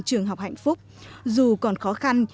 trường học hạnh phúc dù còn khó khăn